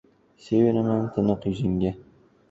Sevinaman tiniq yuzingda